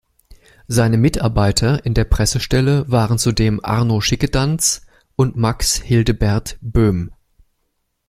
Seine Mitarbeiter in der Pressestelle waren zudem Arno Schickedanz und Max Hildebert Boehm.